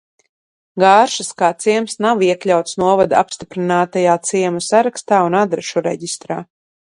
Gāršas kā ciems nav iekļauts novada apstiprinātajā ciemu sarakstā un adrešu reģistrā.